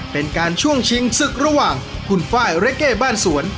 เป็นการช่วงชิงศึกระหว่างคุณไฟล์เรเก้บ้านสวน